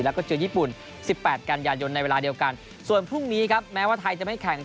แล้วก็เจอญี่ปุ่น๑๘กันยายนในเวลาเดียวกันส่วนพรุ่งนี้ครับแม้ว่าไทยจะไม่แข่ง